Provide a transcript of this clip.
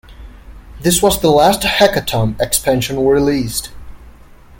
This was the last "Hecatomb" expansion released.